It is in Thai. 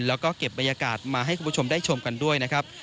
แล้วก็เก็บบรรยากาศมาให้คุณผู้ชมได้ชมกันด้วยนะครับ